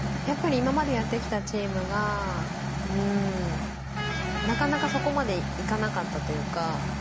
やっぱり今までやってきたチームがなかなかそこまでいかなかったというか。